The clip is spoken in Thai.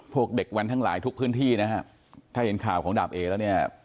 พวกเด็กแว้นทั้งหลายทุกพื้นที่นะฮะถ้าเห็นข่าวของดาบเอแล้วเนี่ย